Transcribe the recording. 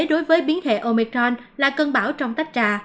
đối với biến hệ omicron là cơn bão trong tách trà